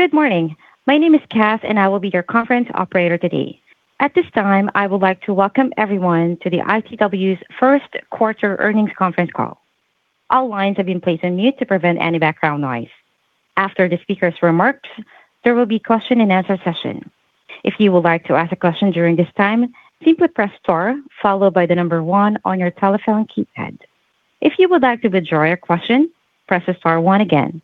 Good morning. My name is Cath, and I will be your conference operator today. At this time, I would like to welcome everyone to the ITW's first quarter earnings conference call. All lines have been placed on mute to prevent any background noise. After the speaker's remarks, there will be question and answer session. If you would like to ask a question during this time, simply press star followed by the number one on your telephone keypad. If you would like to withdraw your question, press star one again.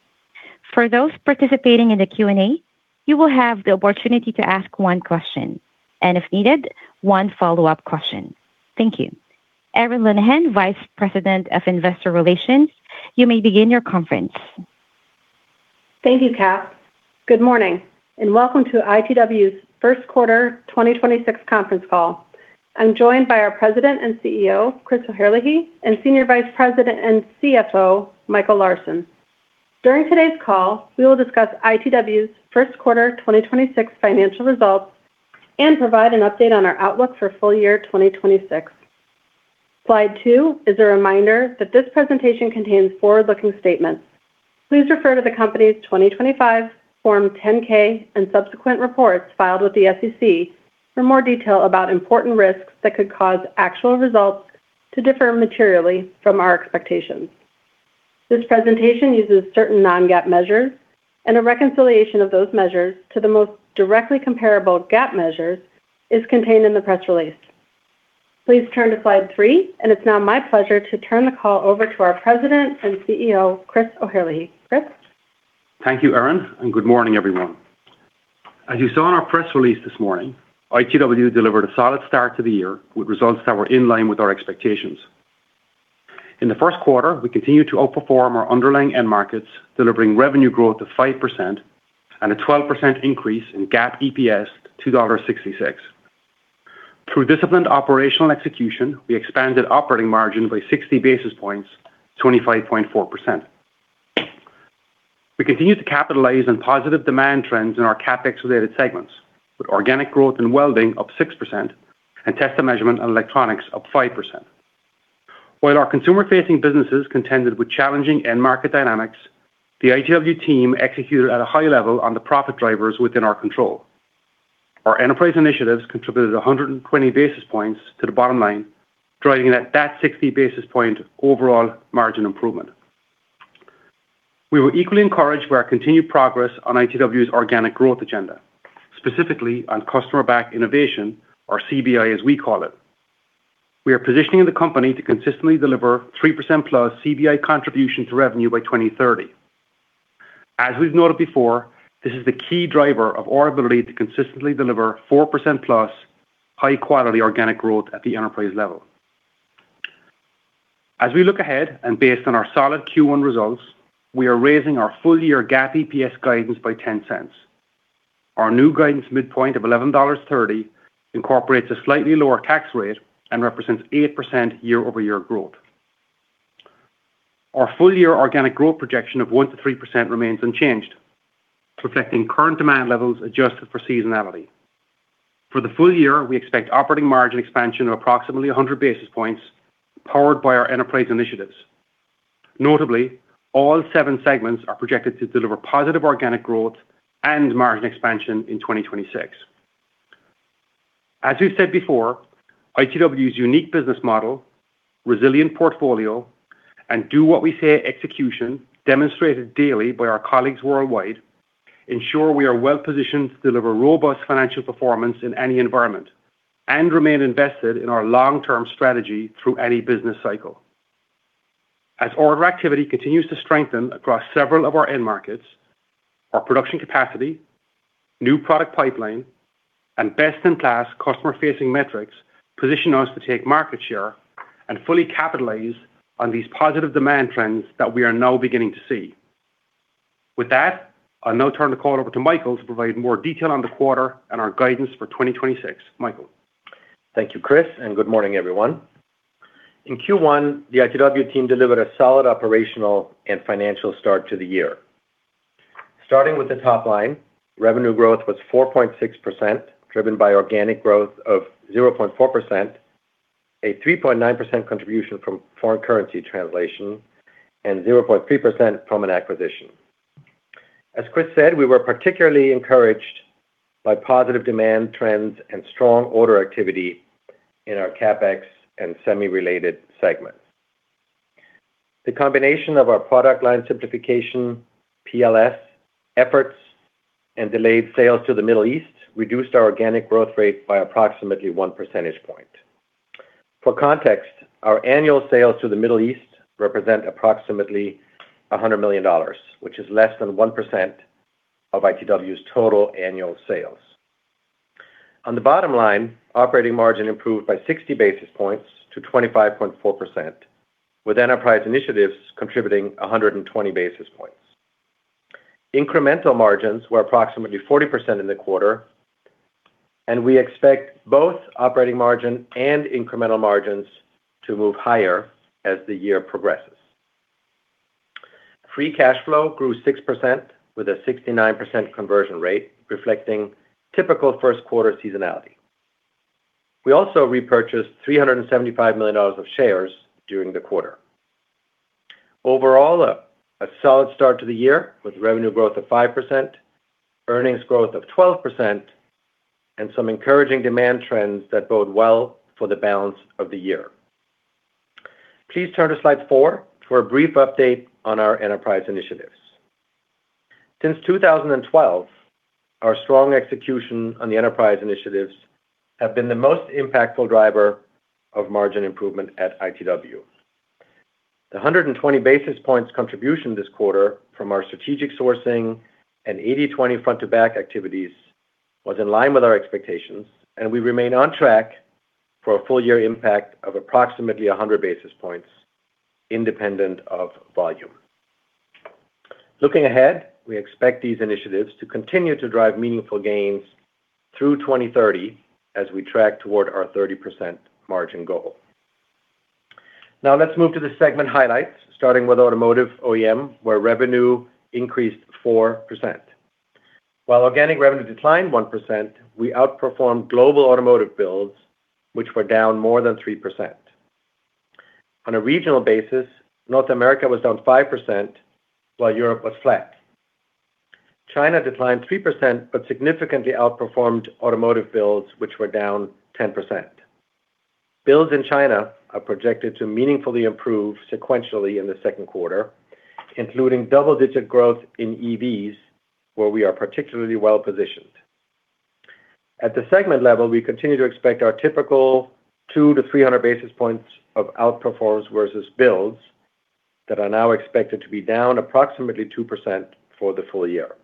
For those participating in the Q&A, you will have the opportunity to ask one question and if needed, one follow-up question. Thank you. Erin Linnihan, Vice President of Investor Relations, you may begin your conference. Thank you, Cath. Good morning, and welcome to ITW's first quarter 2026 conference call. I'm joined by our President and CEO, Chris O'Herlihy, and Senior Vice President and CFO, Michael Larsen. During today's call, we will discuss ITW's first quarter 2026 financial results and provide an update on our outlook for full year 2026. Slide two is a reminder that this presentation contains forward-looking statements. Please refer to the company's 2025 Form 10-K and subsequent reports filed with the SEC for more detail about important risks that could cause actual results to differ materially from our expectations. This presentation uses certain non-GAAP measures. A reconciliation of those measures to the most directly comparable GAAP measures is contained in the press release. Please turn to slide three. It's now my pleasure to turn the call over to our President and CEO, Chris O'Herlihy. Chris? Thank you, Erin. Good morning, everyone. As you saw in our press release this morning, ITW delivered a solid start to the year with results that were in line with our expectations. In the first quarter, we continued to outperform our underlying end markets, delivering revenue growth of 5% and a 12% increase in GAAP EPS to $1.66. Through disciplined operational execution, we expanded operating margin by 60 basis points to 25.4%. We continued to capitalize on positive demand trends in our CapEx-related segments, with organic growth in Welding up 6% and Test & Measurement and Electronics up 5%. While our consumer-facing businesses contended with challenging end market dynamics, the ITW team executed at a high level on the profit drivers within our control. Our enterprise initiatives contributed 120 basis points to the bottom line, driving that 60 basis point overall margin improvement. We were equally encouraged by our continued progress on ITW's organic growth agenda, specifically on Customer-Back Innovation, or CBI as we call it. We are positioning the company to consistently deliver 3% plus CBI contribution to revenue by 2030. As we've noted before, this is the key driver of our ability to consistently deliver 4%+ high-quality organic growth at the enterprise level. As we look ahead and based on our solid Q1 results, we are raising our full year GAAP EPS guidance by $0.10. Our new guidance midpoint of $11.30 incorporates a slightly lower tax rate and represents 8% year-over-year growth. Our full year organic growth projection of 1% to 3% remains unchanged, reflecting current demand levels adjusted for seasonality. For the full year, we expect operating margin expansion of approximately 100 basis points, powered by our enterprise initiatives. Notably, all seven segments are projected to deliver positive organic growth and margin expansion in 2026. As we've said before, ITW's unique business model, resilient portfolio, and do what we say execution demonstrated daily by our colleagues worldwide ensure we are well-positioned to deliver robust financial performance in any environment and remain invested in our long-term strategy through any business cycle. As order activity continues to strengthen across several of our end markets, our production capacity, new product pipeline, and best-in-class customer-facing metrics position us to take market share and fully capitalize on these positive demand trends that we are now beginning to see. With that, I'll now turn the call over to Michael to provide more detail on the quarter and our guidance for 2026. Michael? Thank you, Chris. Good morning, everyone. In Q1, the ITW team delivered a solid operational and financial start to the year. Starting with the top line, revenue growth was 4.6%, driven by organic growth of 0.4%, a 3.9% contribution from foreign currency translation, and 0.3% from an acquisition. As Chris said, we were particularly encouraged by positive demand trends and strong order activity in our CapEx and semi-related segments. The combination of our product line simplification, PLS efforts, and delayed sales to the Middle East reduced our organic growth rate by approximately one percentage point. For context, our annual sales to the Middle East represent approximately $100 million, which is less than 1% of ITW's total annual sales. On the bottom line, operating margin improved by 60 basis points to 25.4%, with Enterprise Initiatives contributing 120 basis points. Incremental margins were approximately 40% in the quarter, and we expect both operating margin and incremental margins to move higher as the year progresses. Free cash flow grew 6% with a 69% conversion rate reflecting typical first quarter seasonality. We also repurchased $375 million of shares during the quarter. Overall, a solid start to the year with revenue growth of 5%, earnings growth of 12%, and some encouraging demand trends that bode well for the balance of the year. Please turn to slide four for a brief update on our Enterprise Initiatives. Since 2012, our strong execution on the Enterprise Initiatives have been the most impactful driver of margin improvement at ITW. The 120 basis points contribution this quarter from our strategic sourcing and 80/20 Front-to-Back activities was in line with our expectations, and we remain on track for a full year impact of approximately 100 basis points independent of volume. Looking ahead, we expect these initiatives to continue to drive meaningful gains through 2030 as we track toward our 30% margin goal. Now let's move to the segment highlights, starting with Automotive OEM, where revenue increased 4%. While organic revenue declined 1%, we outperformed global Automotive builds, which were down more than 3%. On a regional basis, North America was down 5%, while Europe was flat. China declined 3% but significantly outperformed Automotive builds, which were down 10%. Builds in China are projected to meaningfully improve sequentially in the 2nd quarter, including double-digit growth in EVs, where we are particularly well-positioned. At the segment level, we continue to expect our typical 200-300 basis points of outperformance versus builds that are now expected to be down approximately 2% for the full year.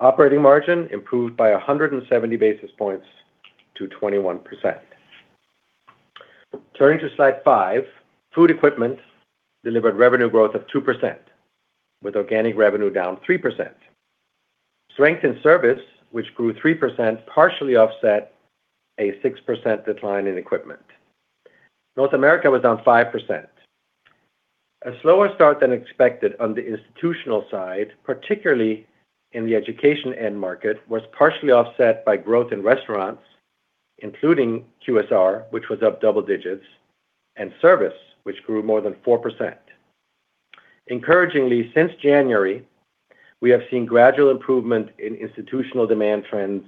Operating margin improved by 170 basis points to 21%. Turning to slide five, Food Equipment delivered revenue growth of 2%, with organic revenue down 3%. Strength in service, which grew 3%, partially offset a 6% decline in equipment. North America was down 5%. A slower start than expected on the institutional side, particularly in the education end market, was partially offset by growth in restaurants, including QSR, which was up double digits, and service, which grew more than 4%. Encouragingly, since January, we have seen gradual improvement in institutional demand trends.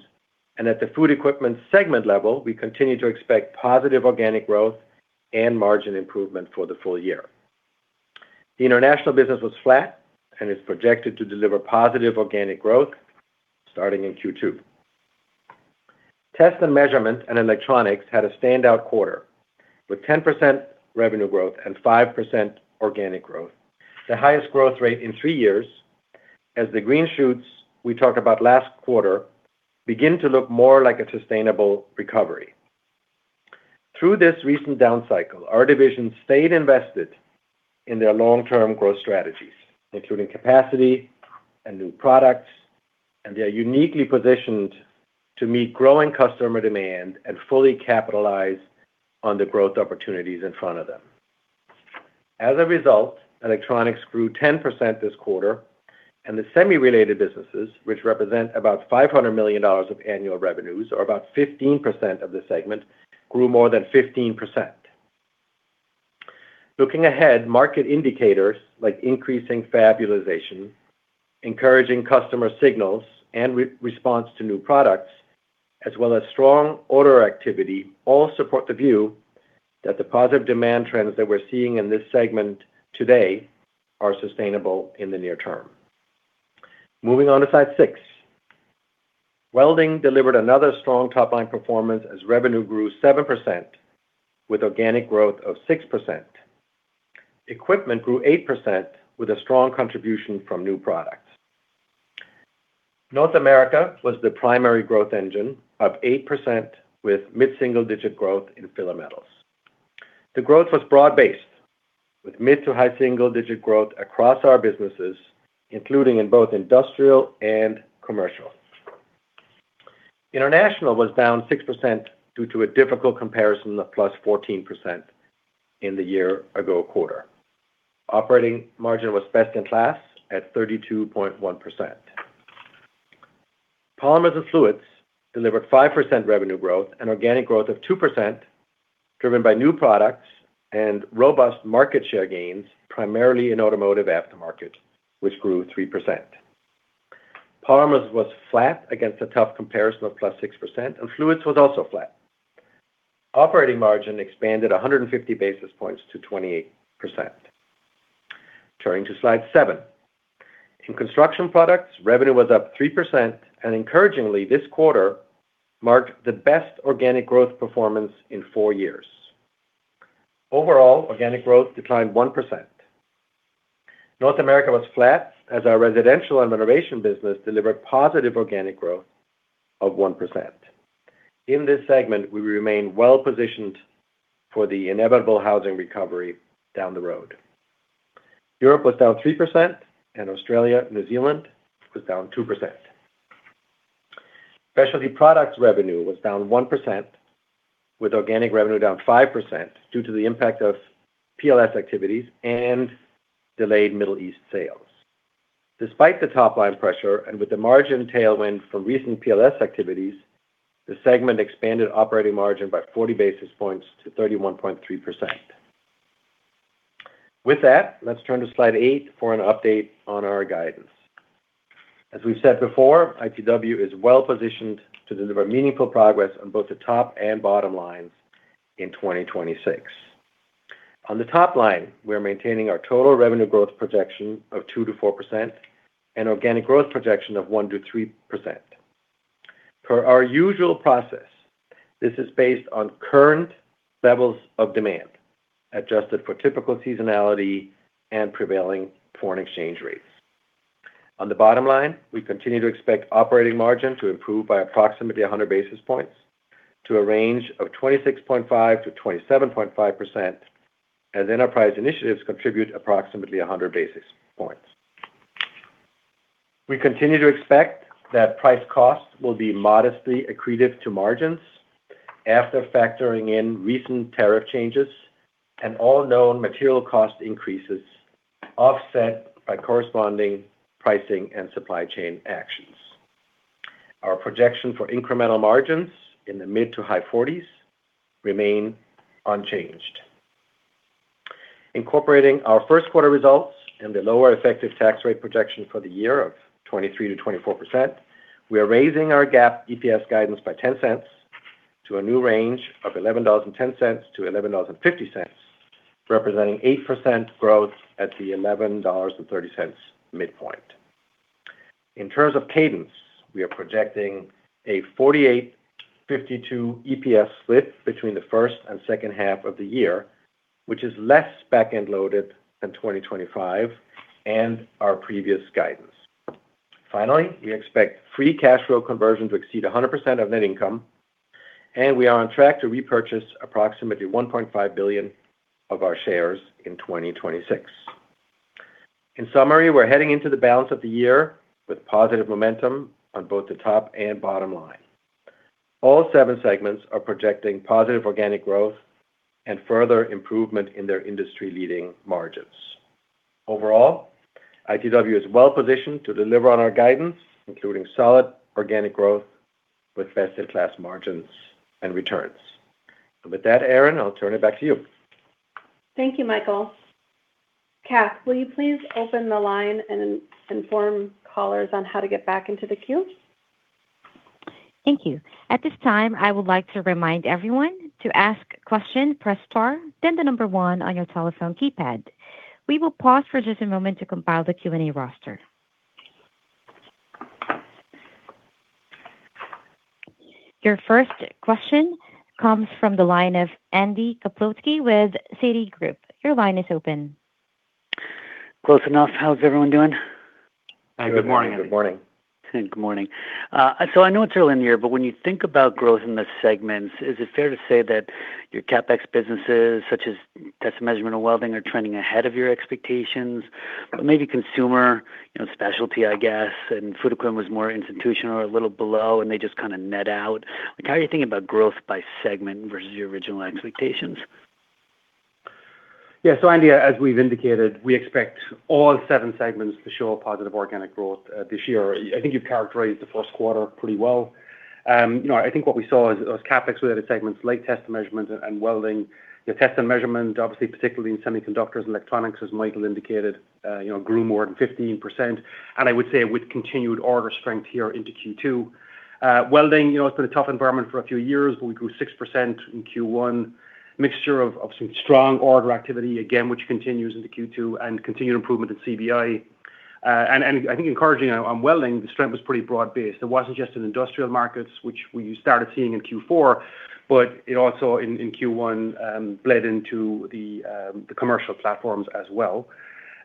At the Food Equipment segment level, we continue to expect positive organic growth and margin improvement for the full year. The international business was flat and is projected to deliver positive organic growth starting in Q2. Test & Measurement and Electronics had a standout quarter, with 10% revenue growth and 5% organic growth. The highest growth rate in three years as the green shoots we talked about last quarter begin to look more like a sustainable recovery. Through this recent down cycle, our divisions stayed invested in their long-term growth strategies, including capacity and new products, and they are uniquely positioned to meet growing customer demand and fully capitalize on the growth opportunities in front of them. As a result, Electronics grew 10% this quarter, and the semi-related businesses, which represent about $500 million of annual revenues or about 15% of the segment, grew more than 15%. Looking ahead, market indicators like increasing fab utilization, encouraging customer signals, and response to new products, as well as strong order activity, all support the view that the positive demand trends that we're seeing in this segment today are sustainable in the near term. Moving on to slide six. Welding delivered another strong top-line performance as revenue grew 7% with organic growth of 6%. Equipment grew 8% with a strong contribution from new products. North America was the primary growth engine, up 8%, with mid-single-digit growth in filler metals. The growth was broad-based, with mid to high single-digit growth across our businesses, including in both industrial and commercial. International was down 6% due to a difficult comparison of +14% in the year-ago quarter. Operating margin was best in class at 32.1%. Polymers & Fluids delivered 5% revenue growth and organic growth of 2%, driven by new products and robust market share gains, primarily in Automotive aftermarket, which grew 3%. Polymers was flat against a tough comparison of +6%, and Fluids was also flat. Operating margin expanded 150 basis points to 28%. Turning to slide seven. In Construction Products, revenue was up 3%, and encouragingly this quarter marked the best organic growth performance in four years. Overall, organic growth declined 1%. North America was flat as our residential and renovation business delivered positive organic growth of 1%. In this segment, we remain well-positioned for the inevitable housing recovery down the road. Europe was down 3% and Australia/New Zealand was down 2%. Specialty Products revenue was down 1%, with organic revenue down 5% due to the impact of PLS activities and delayed Middle East sales. Despite the top-line pressure and with the margin tailwind from recent PLS activities, the segment expanded operating margin by 40 basis points to 31.3%. With that, let's turn to slide eight for an update on our guidance. As we've said before, ITW is well-positioned to deliver meaningful progress on both the top and bottom lines in 2026. On the top line, we're maintaining our total revenue growth projection of 2%-4% and organic growth projection of 1%-3%. Per our usual process, this is based on current levels of demand, adjusted for typical seasonality and prevailing foreign exchange rates. On the bottom line, we continue to expect operating margin to improve by approximately 100 basis points to a range of 26.5%-27.5% as enterprise initiatives contribute approximately 100 basis points. We continue to expect that price costs will be modestly accretive to margins after factoring in recent tariff changes and all known material cost increases offset by corresponding pricing and supply chain actions. Our projection for incremental margins in the mid-to-high 40s remain unchanged. Incorporating our first quarter results and the lower effective tax rate projection for the year of 23%-24%, we are raising our GAAP EPS guidance by $0.10 to a new range of $11.10-$11.50, representing 8% growth at the $11.30 midpoint. In terms of cadence, we are projecting a 48/52 EPS split between the first and second half of the year, which is less back-end loaded than 2025 and our previous guidance. Finally, we expect free cash flow conversion to exceed 100% of net income, and we are on track to repurchase approximately $1.5 billion of our shares in 2026. In summary, we're heading into the balance of the year with positive momentum on both the top and bottom line. All seven segments are projecting positive organic growth and further improvement in their industry-leading margins. Overall, ITW is well-positioned to deliver on our guidance, including solid organic growth with best-in-class margins and returns. With that, Erin, I'll turn it back to you. Thank you, Michael. Cath, will you please open the line and inform callers on how to get back into the queue? Thank you. At this time, I would like to remind everyone to ask question, press star, then the number one on your telephone keypad. We will pause for just a moment to compile the Q&A roster. Your first question comes from the line of Andy Kaplowitz with Citigroup. Your line is open. Close enough. How's everyone doing? Good morning. Good morning. Good morning. I know it's early in the year, but when you think about growth in the segments, is it fair to say that your CapEx businesses, such as Test & Measurement and Welding, are trending ahead of your expectations? Maybe Consumer, you know, Specialty, I guess, and Food Equipment was more institutional or a little below, and they just kinda net out. How are you thinking about growth by segment versus your original expectations? Yeah. Andy, as we've indicated, we expect all seven segments to show a positive organic growth this year. I think you've characterized the first quarter pretty well. You know, I think what we saw is those CapEx-related segments like Test & Measurement and Welding. Your Test & Measurement, obviously, particularly in Semiconductors and Electronics, as Michael indicated, you know, grew more than 15%. I would say with continued order strength here into Q2. Welding, you know, it's been a tough environment for a few years, but we grew 6% in Q1. Mixture of some strong order activity, again, which continues into Q2 and continued improvement in CBI. And I think encouraging on Welding, the strength was pretty broad-based. It wasn't just in industrial markets, which we started seeing in Q4, it also in Q1 bled into the commercial platforms as well.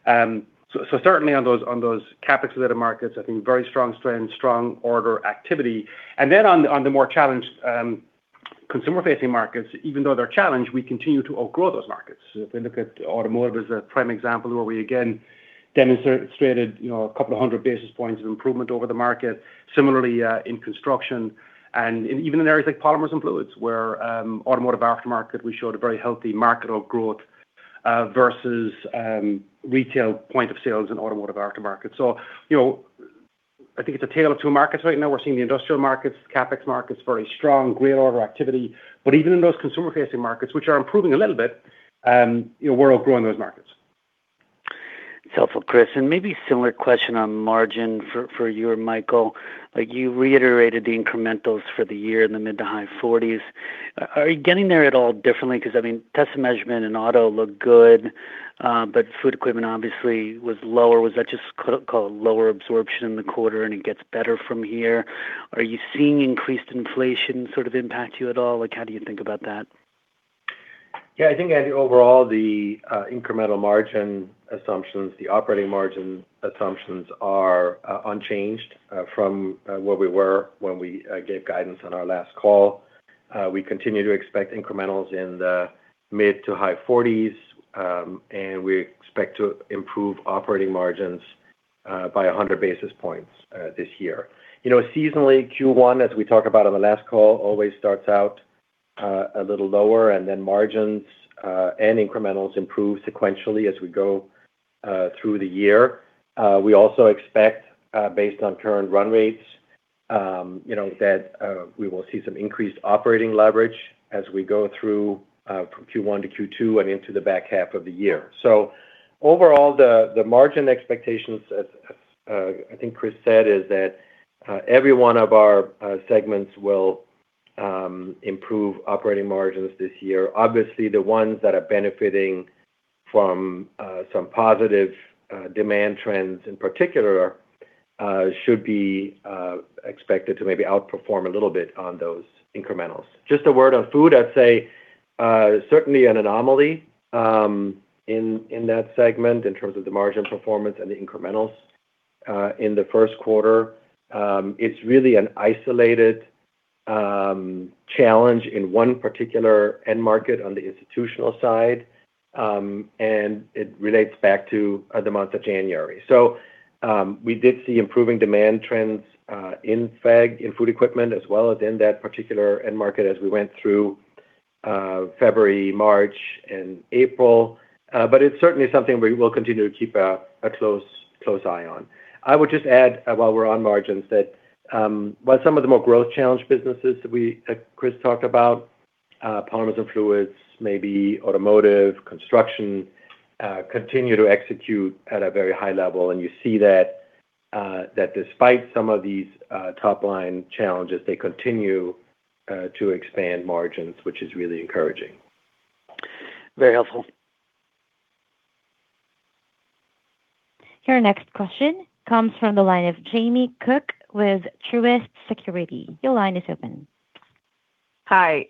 Certainly on those CapEx-related markets, I think very strong strength, strong order activity. On the more challenged consumer-facing markets, even though they're challenged, we continue to outgrow those markets. If we look at Automotive as a prime example, where we again demonstrated, you know, a couple of hundred basis points of improvement over the market. Similarly, in construction and even in areas like Polymers & Fluids where Automotive aftermarket, we showed a very healthy market outgrowth versus retail point of sales and Automotive aftermarket. You know, I think it's a tale of two markets right now. We're seeing the industrial markets, CapEx markets, very strong, great order activity. Even in those consumer-facing markets, which are improving a little bit, you know, we're outgrowing those markets. It's helpful, Chris. Maybe similar question on margin for you or Michael. Like, you reiterated the incrementals for the year in the mid to high 40s%. Are you getting there at all differently? 'Cause, I mean, Test & Measurement and Auto look good, but Food Equipment obviously was lower. Was that just lower absorption in the quarter and it gets better from here? Are you seeing increased inflation sort of impact you at all? Like, how do you think about that? Yeah. I think, Andy, overall, the incremental margin assumptions, the operating margin assumptions are unchanged from where we were when we gave guidance on our last call. We continue to expect incrementals in the mid to high forties, and we expect to improve operating margins by 100 basis points this year. You know, seasonally, Q1, as we talked about on the last call, always starts out a little lower, and then margins and incrementals improve sequentially as we go through the year. We also expect, based on current run rates, you know, that we will see some increased operating leverage as we go through from Q1 to Q2 and into the back half of the year. Overall, the margin expectations, as I think Chris said, is that every one of our segments will improve operating margins this year. Obviously, the ones that are benefiting from some positive demand trends in particular should be expected to maybe outperform a little bit on those incrementals. Just a word on Food Equipment. I'd say, certainly an anomaly in that segment in terms of the margin performance and the incrementals in the first quarter. It's really an isolated challenge in one particular end market on the institutional side, and it relates back to the month of January. We did see improving demand trends in FEG, in Food Equipment, as well as in that particular end market as we went through February, March, and April. It's certainly something we will continue to keep a close eye on. I would just add, while we're on margins that, while some of the more growth challenged businesses that we Chris talked about, Polymers & Fluids, maybe Automotive, Construction, continue to execute at a very high level. You see that despite some of these top-line challenges, they continue to expand margins, which is really encouraging. Very helpful. Your next question comes from the line of Jamie Cook with Truist Securities. Your line is open. Hi.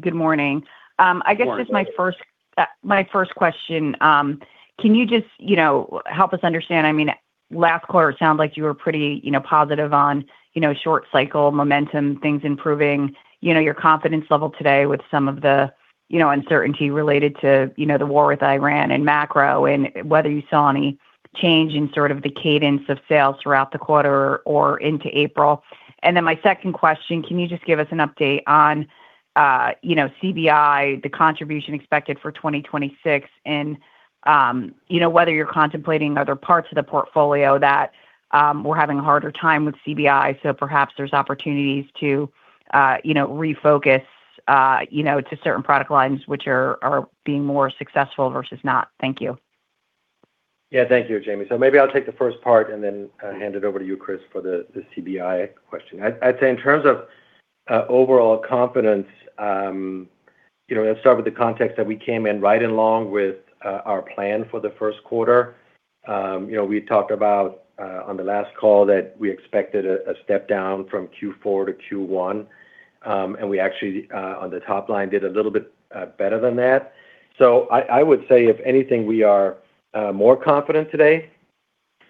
Good morning. I guess just my first- Good morning. My first question, can you just, you know, help us understand, I mean, last quarter it sounded like you were pretty, you know, positive on, you know, short cycle momentum, things improving, you know, your confidence level today with some of the, you know, uncertainty related to, you know, the war with Iran and macro and whether you saw any change in sort of the cadence of sales throughout the quarter or into April? My second question, can you just give us an update on, you know, CBI, the contribution expected for 2026 and, you know, whether you're contemplating other parts of the portfolio that, we're having a harder time with CBI, so perhaps there's opportunities to, you know, refocus, you know, to certain product lines which are being more successful versus not. Thank you. Yeah. Thank you, Jamie. Maybe I'll take the first part and then hand it over to you, Chris, for the CBI question. I'd say in terms of overall confidence, you know, let's start with the context that we came in right along with our plan for the first quarter. You know, we talked about on the last call that we expected a step down from Q4 to Q1. We actually on the top line did a little bit better than that. I would say if anything, we are more confident today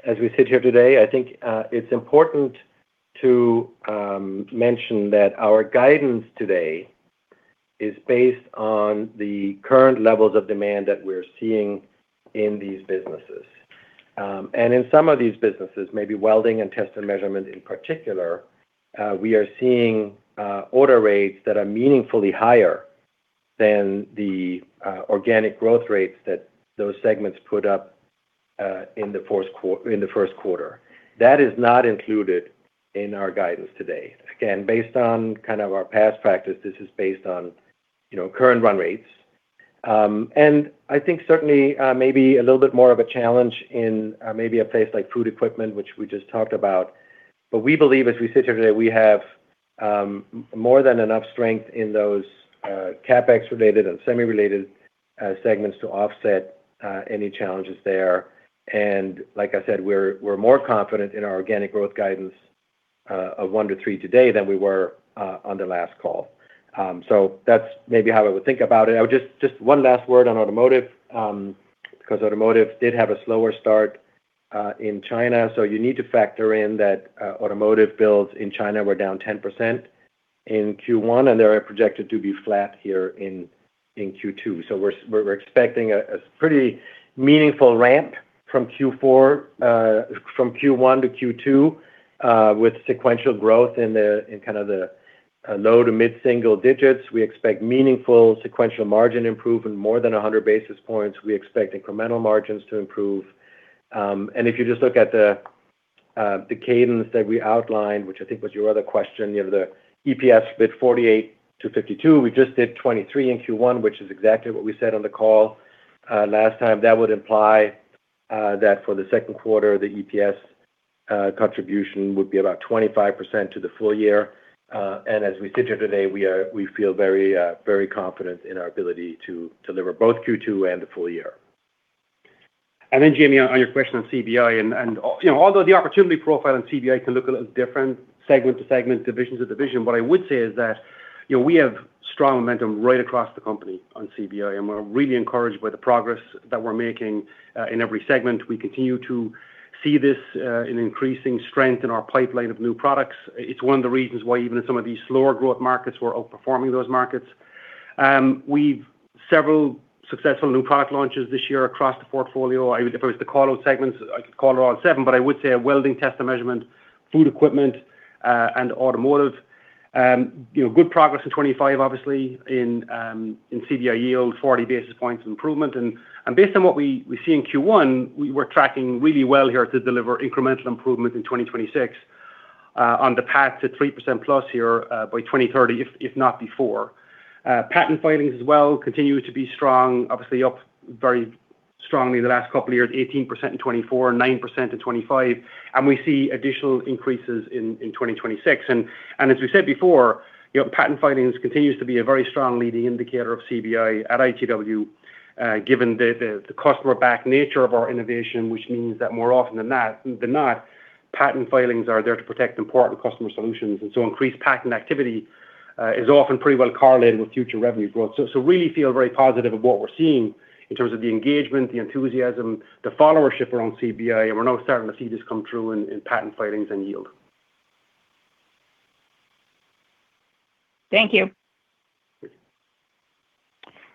as we sit here today. I think it's important to mention that our guidance today is based on the current levels of demand that we're seeing in these businesses. In some of these businesses, maybe Welding and Test & Measurement in particular, we are seeing order rates that are meaningfully higher than the organic growth rates that those segments put up in the first quarter. That is not included in our guidance today. Again, based on kind of our past practice, this is based on, you know, current run rates. I think certainly, maybe a little bit more of a challenge in maybe a place like Food Equipment, which we just talked about. We believe as we sit here today, we have more than enough strength in those CapEx related and semi-related segments to offset any challenges there. Like I said, we're more confident in our organic growth guidance of 1%-3% today than we were on the last call. That's maybe how I would think about it. I would just one last word on Automotive, 'cause Automotive did have a slower start in China, you need to factor in that Automotive builds in China were down 10% in Q1, and they're projected to be flat here in Q2. We're expecting a pretty meaningful ramp from Q4, from Q1 to Q2, with sequential growth in kind of the low to mid-single digits. We expect meaningful sequential margin improvement, more than 100 basis points. We expect incremental margins to improve. If you just look at the cadence that we outlined, which I think was your other question, you know, the EPS bid 48/52. We just did $23 in Q1, which is exactly what we said on the call last time. That would imply that for the second quarter, the EPS contribution would be about 25% to the full year. As we sit here today, we feel very confident in our ability to deliver both Q2 and the full year. Jamie, on your question on CBI and, you know, although the opportunity profile on CBI can look a little different segment to segment, division to division, what I would say is that, you know, we have strong momentum right across the company on CBI, and we're really encouraged by the progress that we're making in every segment. We continue to see this in increasing strength in our pipeline of new products. It's one of the reasons why even in some of these slower growth markets, we're outperforming those markets. We've several successful new product launches this year across the portfolio. If it was the call-out segments, I could call out on seven, but I would say Welding, Test & Measurement, Food Equipment, and Automotive. You know, good progress in 2025, obviously, in CBI yield, 40 basis points of improvement. Based on what we see in Q1, we were tracking really well here to deliver incremental improvement in 2026, on the path to 3%+ here, by 2030, if not before. Patent filings as well continue to be strong, obviously up very strongly the last couple of years, 18% in 2024, 9% in 2025. We see additional increases in 2026. As we said before, you know, patent filings continues to be a very strong leading indicator of CBI at ITW, given the customer-backed nature of our innovation, which means that more often than not, patent filings are there to protect important customer solutions. Increased patent activity is often pretty well correlated with future revenue growth. Really feel very positive of what we're seeing in terms of the engagement, the enthusiasm, the followership around CBI, and we're now starting to see this come through in patent filings and yield. Thank you.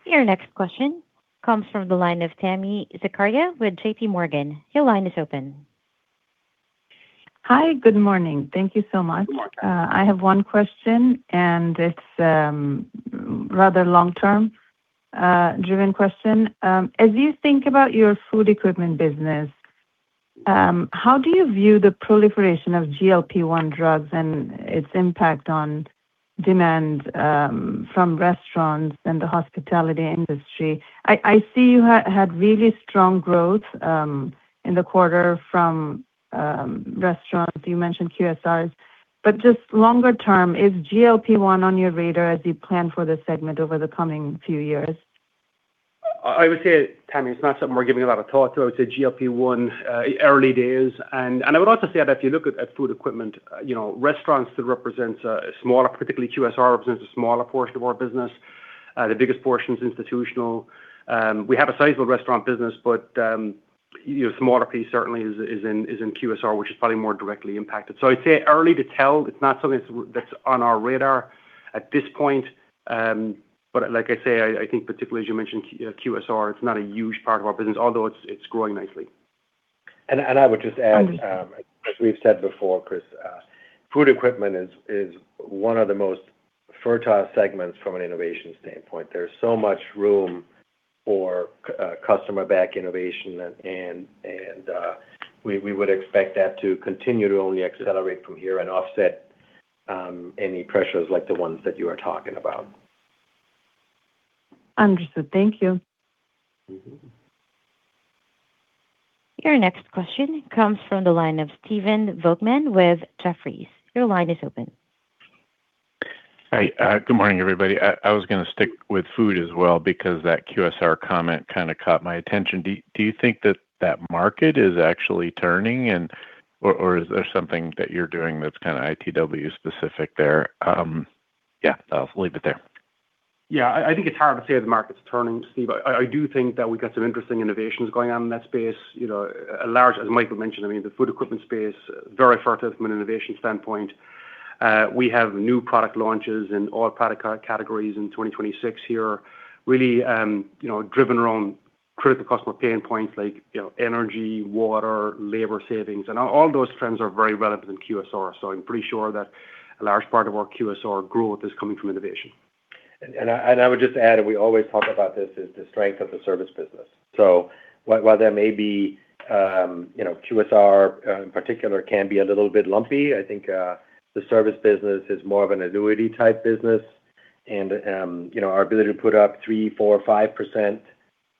Your next question comes from the line of Tami Zakaria with JPMorgan. Your line is open. Hi, good morning. Thank you so much. You're welcome. I have one question, and it's rather long-term driven question. As you think about your Food Equipment business, how do you view the proliferation of GLP-1 drugs and its impact on demand from restaurants and the hospitality industry? I see you had really strong growth in the quarter from restaurants. You mentioned QSRs. Just longer term, is GLP-1 on your radar as you plan for this segment over the coming few years? I would say, Tami, it's not something we're giving a lot of thought to. I would say GLP-1, early days. I would also say that if you look at Food Equipment, you know, restaurants still represents a smaller, particularly QSR represents a smaller portion of our business. The biggest portion is institutional. We have a sizable restaurant business, but, you know, smaller piece certainly is in QSR, which is probably more directly impacted. I'd say early to tell. It's not something that's on our radar at this point. Like I say, I think particularly as you mentioned QSR, it's not a huge part of our business, although it's growing nicely. And I would just add, we've said before, Chris, Food Equipment is one of the most fertile segments from an innovation standpoint. There's so much room for customer back innovation. And we would expect that to continue to really accelerate from here and offset any pressures like the ones that you're talking about. Understood. Your next question comes from the line of Stephen Volkmann with Jefferies. Your line is open. Hi. Good morning, everybody. I was gonna stick with Food as well because that QSR comment kinda caught my attention. Do you think that that market is actually turning or is there something that you're doing that's kinda ITW specific there? Yeah. I'll leave it there. Yeah. I think it's hard to say the market's turning, Steve. I do think that we've got some interesting innovations going on in that space. You know, a large, as Michael mentioned, I mean, the Food Equipment space, very fertile from an innovation standpoint. We have new product launches in all product categories in 2026 here, really, you know, driven around critical customer pain points like, you know, energy, water, labor savings. All those trends are very relevant in QSR. I'm pretty sure that a large part of our QSR growth is coming from innovation. I would just add, and we always talk about this, is the strength of the service business. While there may be, you know, QSR, in particular can be a little bit lumpy, I think, the service business is more of an annuity type business. You know, our ability to put up 3%, 4%,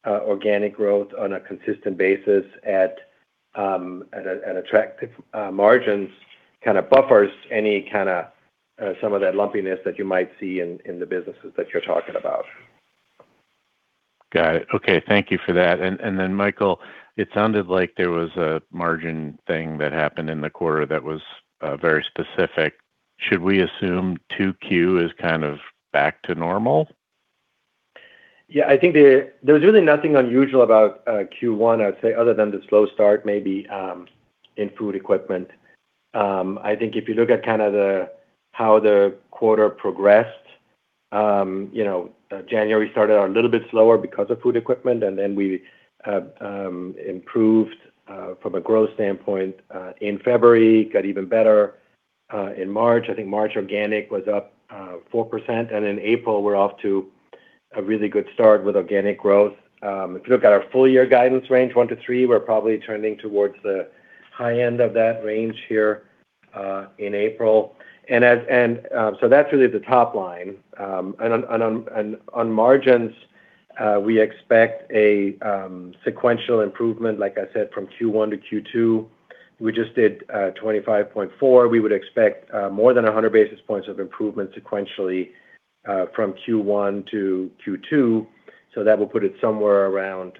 5% organic growth on a consistent basis at attractive margins kinda buffers any kinda some of that lumpiness that you might see in the businesses that you're talking about. Got it. Okay. Thank you for that. Michael, it sounded like there was a margin thing that happened in the quarter that was very specific. Should we assume Q2 is kind of back to normal? Yeah. I think there's really nothing unusual about Q1, I would say, other than the slow start maybe in Food Equipment. I think if you look at kind of how the quarter progressed, you know, January started out a little bit slower because of Food Equipment, and then we improved from a growth standpoint in February. Got even better in March. I think March organic was up 4%. In April, we're off to a really good start with organic growth. If you look at our full year guidance range, 1%-3%, we're probably trending towards the high end of that range here in April. That's really the top line. On, and on, and on margins, we expect a sequential improvement, like I said, from Q1 to Q2. We just did 25.4%. We would expect more than 100 basis points of improvement sequentially from Q1 to Q2. That will put it somewhere around,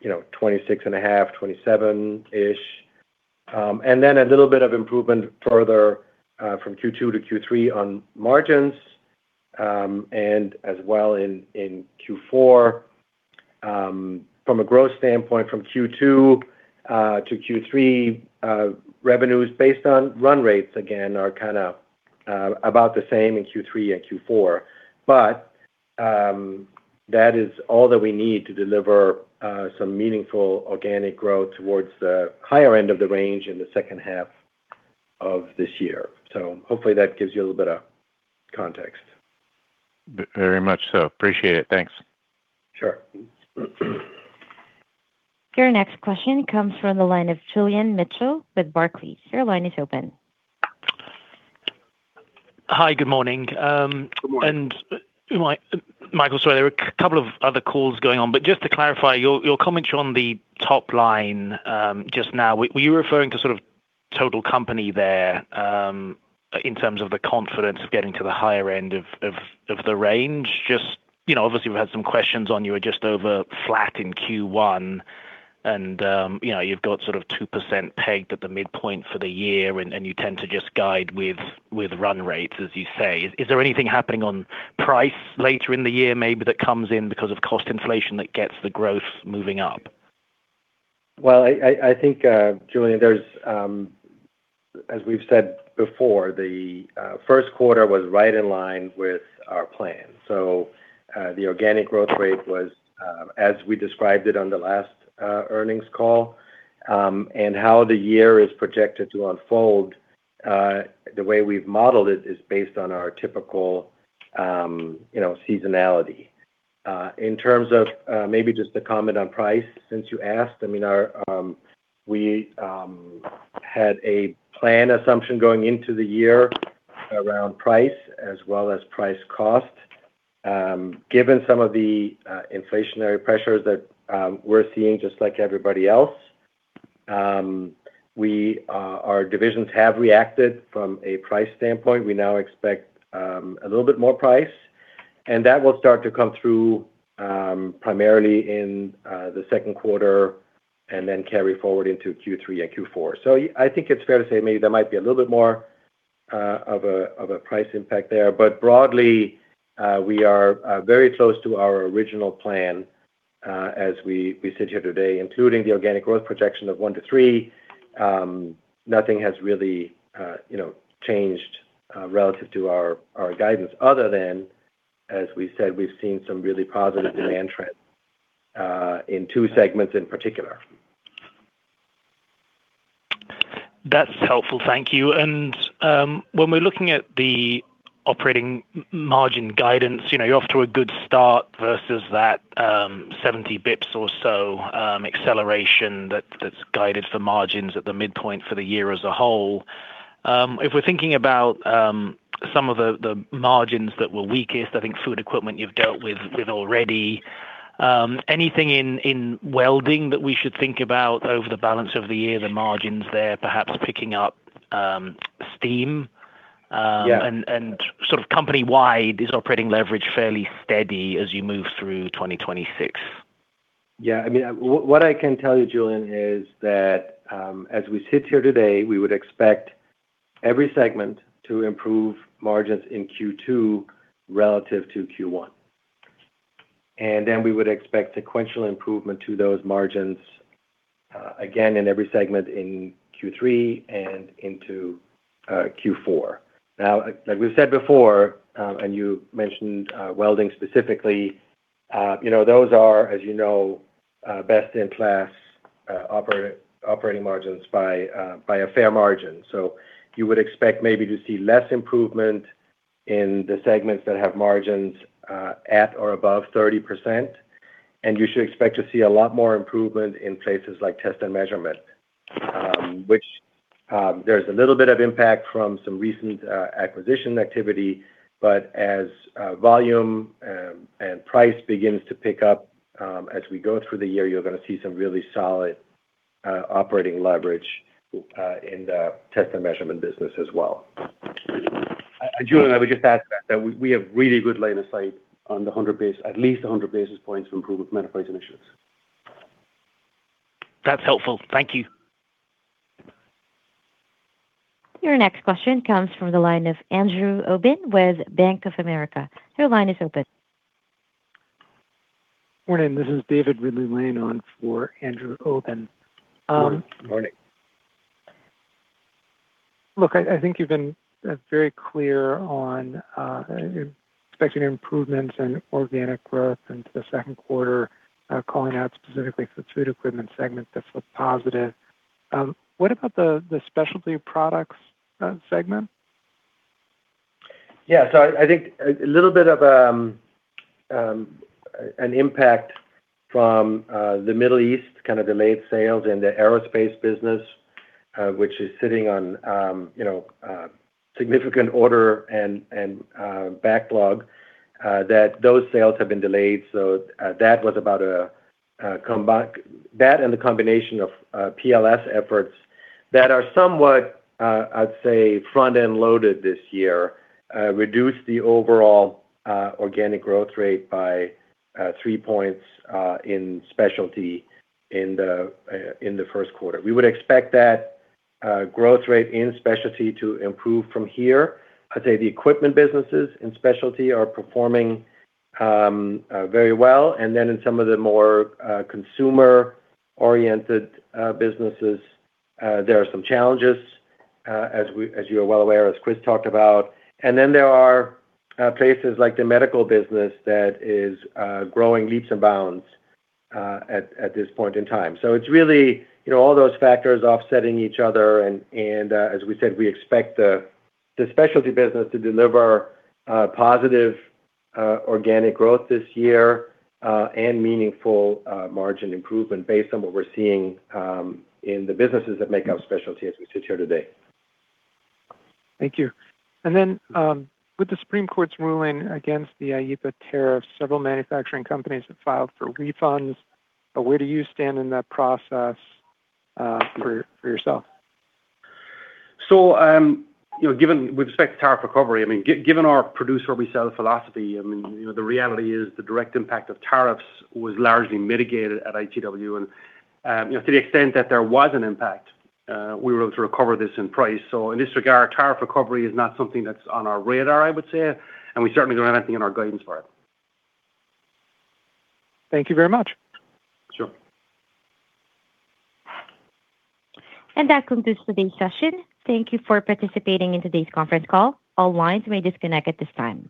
you know, 26.5%, 27-ish%. A little bit of improvement further from Q2 to Q3 on margins, and as well in Q4. From a growth standpoint, from Q2 to Q3, revenues based on run rates again are kind of about the same in Q3 and Q4. That is all that we need to deliver some meaningful organic growth towards the higher end of the range in the second half of this year. Hopefully that gives you a little bit of context. Very much so. Appreciate it. Thanks. Sure. Your next question comes from the line of Julian Mitchell with Barclays. Your line is open. Hi. Good morning. Good morning. Michael, sorry, there were a couple of other calls going on, just to clarify, your comments on the top line, just now, were you referring to sort of total company there, in terms of the confidence of getting to the higher end of the range? You know, obviously we've had some questions on you are just over flat in Q1, you know, you've got sort of 2% pegged at the midpoint for the year, and you tend to just guide with run rates, as you say. Is there anything happening on price later in the year maybe that comes in because of cost inflation that gets the growth moving up? I think, Julian, as we've said before, the first quarter was right in line with our plan. The organic growth rate was as we described it on the last earnings call, and how the year is projected to unfold, the way we've modeled it is based on our typical, you know, seasonality. In terms of maybe just to comment on price, since you asked, I mean, we had a plan assumption going into the year around price as well as price cost. Given some of the inflationary pressures that we're seeing, just like everybody else, our divisions have reacted from a price standpoint. We now expect a little bit more price, and that will start to come through primarily in the second quarter and then carry forward into Q3 and Q4. I think it's fair to say maybe there might be a little bit more of a price impact there. Broadly, we are very close to our original plan as we sit here today, including the organic growth projection of 1%-3%. Nothing has really, you know, changed relative to our guidance, other than, as we said, we've seen some really positive demand trends in two segments in particular. That's helpful. Thank you. When we're looking at the operating margin guidance, you know, you're off to a good start versus that, 70 basis points or so, acceleration that's guided for margins at the midpoint for the year as a whole. If we're thinking about some of the margins that were weakest, I think Food Equipment you've dealt with already. Anything in Welding that we should think about over the balance of the year, the margins there perhaps picking up steam? Yeah Sort of company-wide, is operating leverage fairly steady as you move through 2026? I mean, what I can tell you, Julian, is that as we sit here today, we would expect every segment to improve margins in Q2 relative to Q1. Then we would expect sequential improvement to those margins again in every segment in Q3 and into Q4. Like we've said before, you mentioned Welding specifically, you know, those are, as you know, best in class operating margins by a fair margin. You would expect maybe to see less improvement in the segments that have margins at or above 30%, and you should expect to see a lot more improvement in places like Test & Measurement. Which there's a little bit of impact from some recent acquisition activity. As volume and price begins to pick up, as we go through the year, you're gonna see some really solid operating leverage in the Test & Measurement business as well. Julian, I would just add that we have really good line of sight on at least 100 basis points of improvement net of price initiatives. That's helpful. Thank you. Your next question comes from the line of Andrew Obin with Bank of America. Your line is open. Morning. This is David Ridley-Lane on for Andrew Obin. Morning. Morning. Look, I think you've been very clear on expecting improvements in organic growth into the second quarter, calling out specifically for the Food Equipment segment that's positive. What about the Specialty Products segment? Yeah. I think a little bit of an impact from the Middle East, kind of delayed sales in the aerospace business, which is sitting on, you know, significant order and backlog, that those sales have been delayed. That and the combination of PLS efforts that are somewhat, I'd say, front end loaded this year, reduced the overall organic growth rate by three points in specialty in the first quarter. We would expect that growth rate in Specialty to improve from here. I'd say the equipment businesses in Specialty are performing very well. In some of the more consumer-oriented businesses, there are some challenges, as we, as you are well aware, as Chris talked about. There are places like the medical business that is growing leaps and bounds at this point in time. It's really, you know, all those factors offsetting each other. As we said, we expect the specialty business to deliver positive organic growth this year, and meaningful margin improvement based on what we're seeing in the businesses that make up specialty as we sit here today. Thank you. With the Supreme Court's ruling against the IEEPA tariffs, several manufacturing companies have filed for refunds. Where do you stand in that process for yourself? Given we expect tariff recovery, I mean, given our producer resell philosophy, I mean, you know, the reality is the direct impact of tariffs was largely mitigated at ITW. you know, to the extent that there was an impact, we were able to recover this in price. In this regard, tariff recovery is not something that's on our radar, I would say, and we certainly don't have anything in our guidance for it. Thank you very much. Sure. That concludes today's session. Thank you for participating in today's conference call. All lines may disconnect at this time.